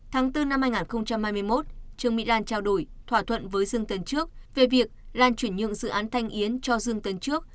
tháng bốn năm hai nghìn hai mươi một trương mỹ lan trao đổi thỏa thuận với dương tấn trước về việc lan chuyển nhượng dự án thanh yến cho dương tấn trước